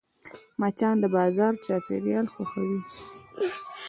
مچان د بازار چاپېریال خوښوي